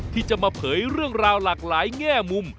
ที่จะมาเผยเรื่องราวหลากหลายแง่มุม